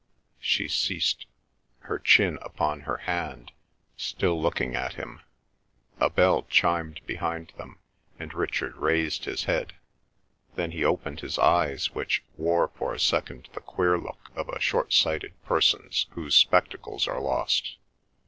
She ceased, her chin upon her hand, still looking at him. A bell chimed behind them, and Richard raised his head. Then he opened his eyes which wore for a second the queer look of a shortsighted person's whose spectacles are lost.